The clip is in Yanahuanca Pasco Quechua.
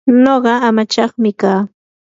nuqa amachaqmi kaa.